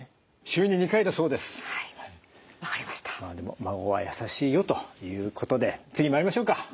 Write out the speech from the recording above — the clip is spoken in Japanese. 「まごわやさしいよ」ということで次まいりましょうか。